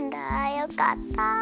よかった！